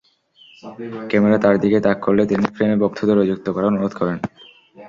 Camera তাঁর দিকে তাক করলে তিনি ফ্রেমে ভক্তদেরও যুক্ত করার অনুরোধ করেন।